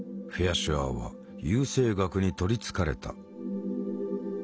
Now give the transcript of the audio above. シュアーは優生学に取りつかれた。